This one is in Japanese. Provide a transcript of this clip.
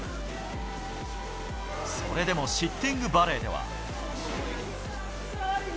それでもシッティングバレーでは。